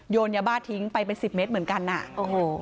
ยาบ้าทิ้งไปเป็นสิบเมตรเหมือนกันอ่ะโอ้โห